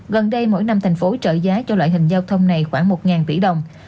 gần đây mỗi năm thành phố trợ giá cho loại hình giao thông này khoảng một tỷ đồng